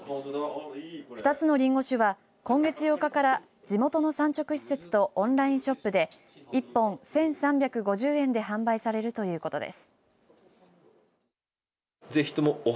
２つのりんご酒は今月８日から地元の産直施設とオンラインショップで一本１３５０円で販売されるということです。